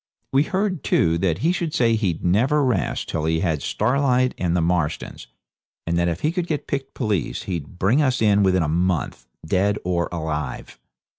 We heard, too, that he should say he'd never rest till he had Starlight and the Marstons, and that if he could get picked police he'd bring us in within a month, dead or alive.